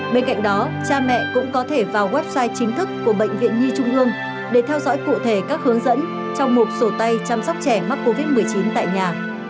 bên cạnh đó cha mẹ cũng có thể vào website chính thức của bệnh viện nhi trung ương để theo dõi cụ thể các hướng dẫn trong một sổ tay chăm sóc trẻ mắc covid một mươi chín tại nhà